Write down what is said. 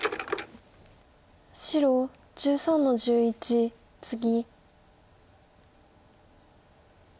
白１３の十一ツギ。